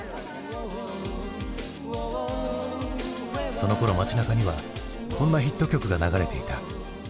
そのころ街なかにはこんなヒット曲が流れていた。